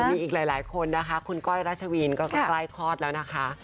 มีอีกหลายคนนะคะคุณก้อยรัชวีนก็ใกล้คลอดแล้วนะคะ